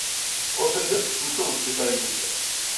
Ur telliḍ tessemsadeḍ tiferyin.